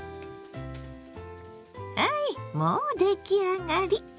はいもう出来上がり！